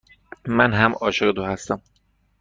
من هم عاشق تو هستم.